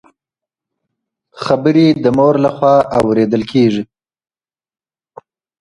خبري د مور له خوا اورېدلي کيږي؟!